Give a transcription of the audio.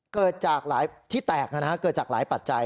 เกิดจากที่แตกเกิดจากหลายปัจจัย